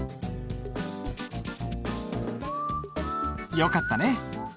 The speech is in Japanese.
よかったね。